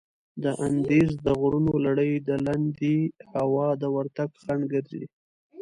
د اندیز د غرونو لړي د لندې هوا د ورتګ خنډ ګرځي.